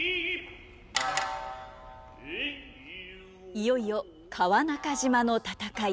いよいよ川中島の戦い！